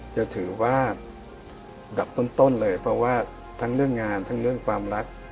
จะถือว่าดับต้นเลยเพราะว่าทั้งเรื่องงานทั้งเรื่องความรัก